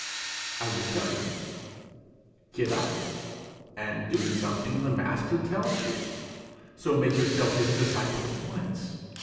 I will tell you: Get up, and do something the master tells you; so make yourself his disciple at once.